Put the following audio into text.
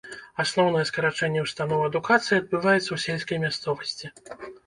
Асноўнае скарачэнне ўстаноў адукацыі адбываецца ў сельскай мясцовасці.